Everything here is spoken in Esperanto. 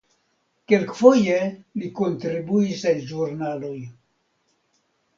Kelkfoje li kontribuis en ĵurnaloj.